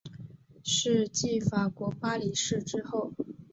是继法国巴黎市之后。